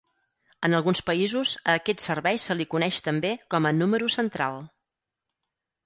En alguns països a aquest servei se li coneix també com a Número Central.